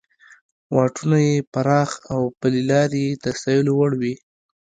واټونه یې پراخه او پلې لارې یې د ستایلو وړ وې.